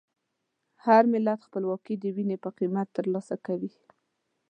هر ملت خپلواکي د وینې په قیمت ترلاسه کوي.